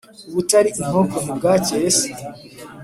ubutari inkoko ntibwakeye se,